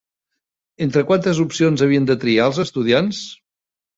Entre quantes opcions havien de triar els estudiants?